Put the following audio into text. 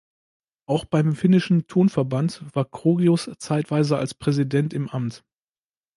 Auch beim finnischen Turnverband war Krogius zeitweise als Präsident im Amt.